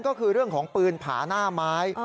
ก็คือเรื่องของปืนผาหน้าไม้